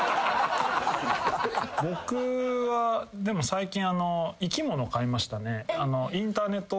僕はでも最近生き物を買いましたね。